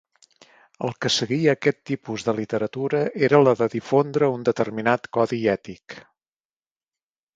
El que seguia aquest tipus de literatura era la de difondre un determinat codi ètic.